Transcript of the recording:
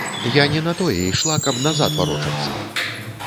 Я не на тое ішла, каб назад варочацца!